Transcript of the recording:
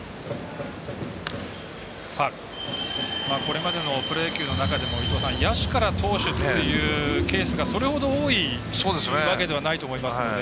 これまでのプロ野球の中でも野手から投手っていうケースがそれほど多いわけじゃないと思いますので。